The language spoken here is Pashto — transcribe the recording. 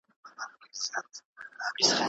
مه هېروه چې وقفه واخلې.